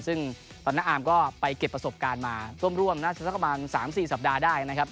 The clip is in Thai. ซึ่งตอนนั้นอาร์มก็ไปเก็บประสบการณ์มาร่วมน่าจะสักประมาณ๓๔สัปดาห์ได้นะครับ